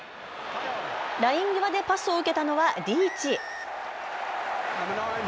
ライン際でパスを受けたのはリーチ。